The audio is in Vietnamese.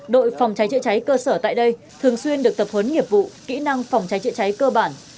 đội phòng cháy chữa cháy cơ sở tại đây thường xuyên được tập huấn nghiệp vụ kỹ năng phòng cháy chữa cháy cơ bản